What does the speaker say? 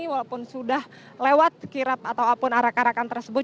walaupun sudah lewat kirap ataupun arak arakan tersebut